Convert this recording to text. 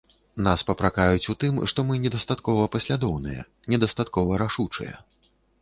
Нас папракаюць у тым, што мы недастаткова паслядоўныя, недастаткова рашучыя.